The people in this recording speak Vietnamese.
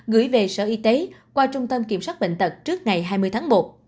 gửi về sở y tế qua trung tâm kiểm soát bệnh tật trước ngày hai mươi tháng một